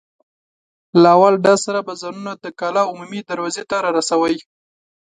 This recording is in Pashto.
له اول ډز سره به ځانونه د کلا عمومي دروازې ته را رسوئ.